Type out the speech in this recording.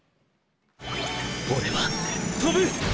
俺は飛ぶ！